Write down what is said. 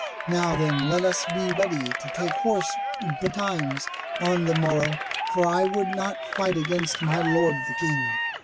Now then let us be ready to take horse betimes on the morrow, for I would not fight against my Lord the King."